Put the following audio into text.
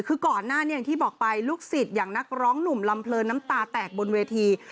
คือก่อนหน้านี้อย่างที่บอกไปลูกศิษย์อย่างนักร้องหนุ่มลำเลินน้ำตาแตกบนเวที